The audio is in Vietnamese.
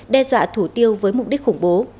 đe dọa thủ tiêu với mục đích khủng bố